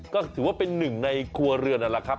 ก็ถือว่าเป็นหนึ่งในครัวเรือนนั่นแหละครับ